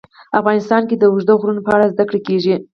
افغانستان کې د اوږده غرونه په اړه زده کړه کېږي.